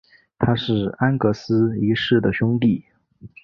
他是安格斯一世的兄弟。